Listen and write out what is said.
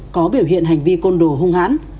có biểu hiện hành vi côn đồ hung hãn